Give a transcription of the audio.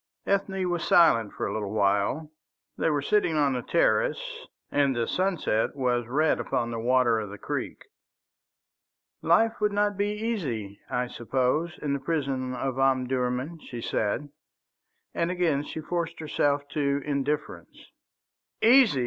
Ethne was silent for a little while. They were sitting on the terrace, and the sunset was red upon the water of the creek. "Life would not be easy, I suppose, in the prison of Omdurman," she said, and again she forced herself to indifference. "Easy!"